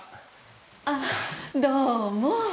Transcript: あっどうも。